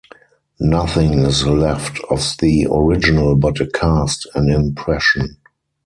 Nothing is left of the original but a cast, an impression.